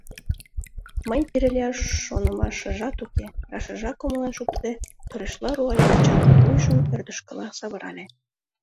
— Мый пире лияш шонымашыжат уке, — рашыжак умылен шуктыде, торешла руале Эчан, вуйжым ӧрдыжкыла савырале.